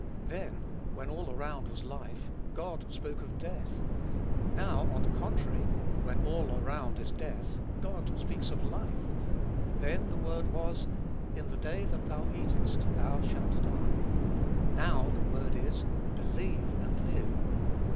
Then, when all around was life, God spoke of death; now, on the contrary, when all around is death, God speaks of life: then the word was, "in the day thou eatest thou shalt die;" now the word is, "believe and live."